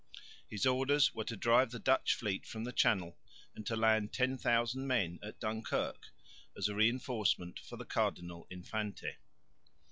His orders were to drive the Dutch fleet from the Channel and to land 10,000 men at Dunkirk as a reinforcement for the Cardinal Infante.